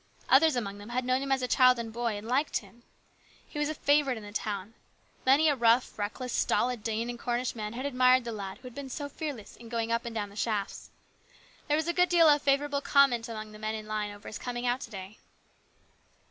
Others among them had known him as a child and boy, and liked him. He was a favourite in the town. Many a rough, reckless, stolid Dane and Cornish man had admired the lad who had been so fearless in going up and down the shafts. There was a good LARGE RESPONSIBILITIES. 55 deal of favourable comment among the men in line over his coming out to day.